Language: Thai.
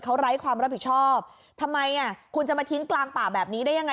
เขาไร้ความรับผิดชอบทำไมอ่ะคุณจะมาทิ้งกลางป่าแบบนี้ได้ยังไง